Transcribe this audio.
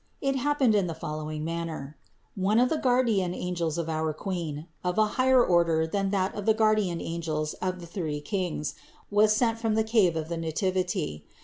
It happened in the follow ing manner: one of the guardian angels of our Queen, of a higher order than that of the guardian angels of the three kings, was sent from the cave of the Nativity.